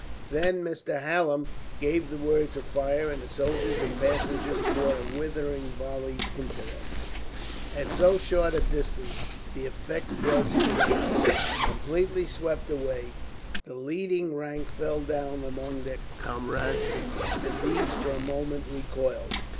Then Mr. Hallam gave the word to fire, and the soldiers and passengers poured a withering volley into them. At so short a distance, the effect was tremendous. Completely swept away, the leading rank fell down among their comrades; and these, for a moment, recoiled.